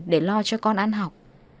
để lo cho con ăn học